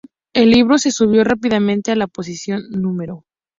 El libro se subió rápidamente a la posición No.